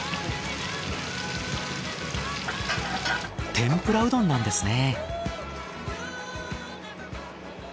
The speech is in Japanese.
天ぷらうどんなんですね。